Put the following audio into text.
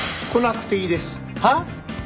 来なくていいです。はあ？